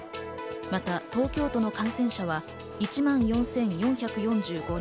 また東京都の感染者は１万４４４５人。